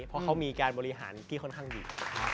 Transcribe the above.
เพราะเขามีการบริหารที่ค่อนข้างดี